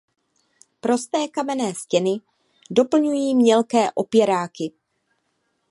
Prosté kamenné stěny doplňují mělké opěráky.